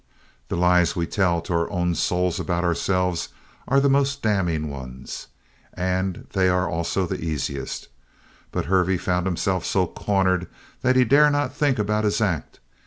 The lies we tell to our own souls about ourselves are the most damning ones, as they are also the easiest. But Hervey found himself so cornered that he dared not think about his act.